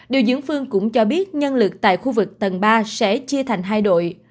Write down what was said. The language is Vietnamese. điều dưỡng phương cũng cho biết nhân lực tại khu vực tầng ba sẽ chia thành hai đội